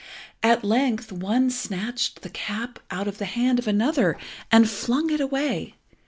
At length one snatched the cap out of the hand of another and flung it away.